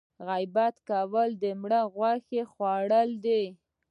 غیبت کول د مړي غوښه خوړل دي